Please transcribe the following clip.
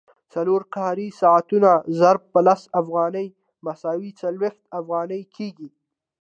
څلور کاري ساعتونه ضرب په لس افغانۍ مساوي څلوېښت افغانۍ کېږي